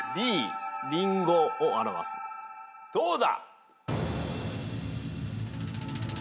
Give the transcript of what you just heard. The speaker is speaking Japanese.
どうだ。